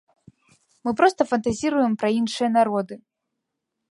Мы проста фантазіруем пра іншыя народы.